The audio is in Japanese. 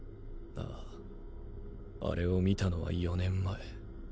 あああれを見たのは４年前。